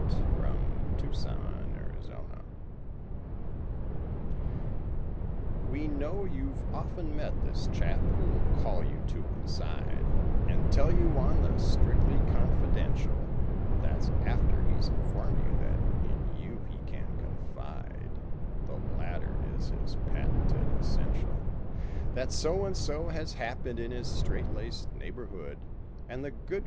THE CONFIDENTIAL MONGER We know you've often met this chap who'll call you to one side And tell you on the strictly confidential— That's after he's informed you that in you he can confide— (The latter is his patented essential) That so and so has happened in his straight laced neighborhood And the good